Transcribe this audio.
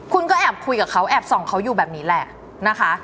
คุณก็แอบคุยกับเขาแอบส่องเขาอยู่แบบนี้แหละนะคะ